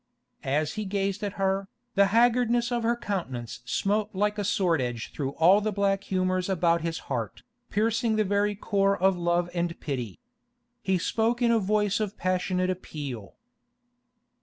As he gazed at her, the haggardness of her countenance smote like a sword edge through all the black humours about his heart, piercing the very core of love and pity. He spoke in a voice of passionate appeal.